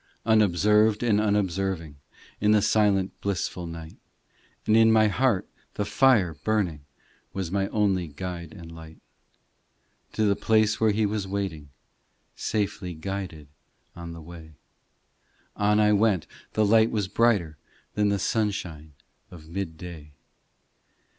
Unobserved and unobserving In the silent blissful night ; And in my heart the fire burning Was my only guide and light. To the place where He was waiting, Safely guided on the way On I went ; the light was brighter Than the sunshine of mid day.